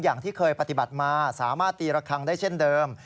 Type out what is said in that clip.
อย่างที่เคยปฏิบัติมาสามารถตีระคังได้เช่นเดิม